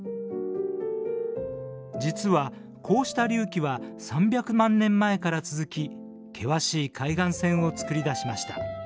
実はこうした隆起は３００万年前から続き険しい海岸線をつくり出しました。